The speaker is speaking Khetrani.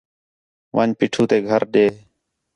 ون٘ڄ پیٹھو تے گھر ݙے